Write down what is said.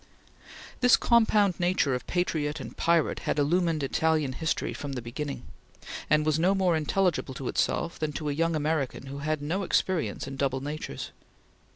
This compound nature of patriot and pirate had illumined Italian history from the beginning, and was no more intelligible to itself than to a young American who had no experience in double natures.